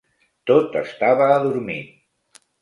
Tot estava adormit.